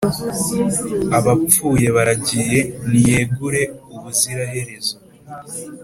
abapfuye baragiye, niyegure ubuziraherezo